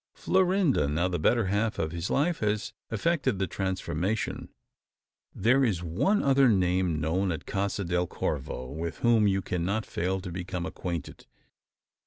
Florinda now the better half of his life has effected the transformation. There is one other name known at Casa del Corvo, with which you cannot fail to become acquainted.